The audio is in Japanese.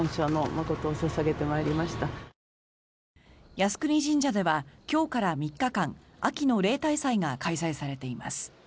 靖国神社では今日から３日間秋の例大祭が開催されています。